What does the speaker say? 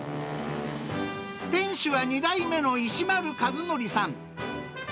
店主は２代目の石丸一徳さん。